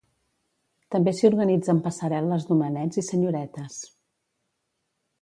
També s'hi organitzen passarel·les d'homenets i senyoretes.